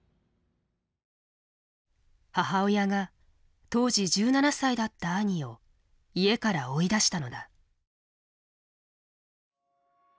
母親が当時１７歳だった兄を家から追い出したのだ。